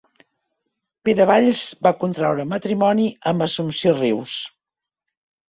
Pere Valls va contraure matrimoni amb Assumpció Rius.